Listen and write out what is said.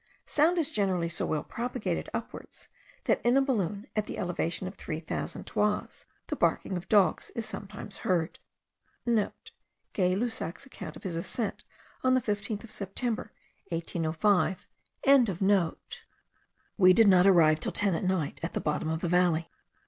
Sound is generally so well propagated upwards, that in a balloon at the elevation of three thousand toises, the barking of dogs is sometimes heard.* (* Gay Lussac's account of his ascent on the 15th of September, 1805.) We did not arrive till ten at night at the bottom of the valley.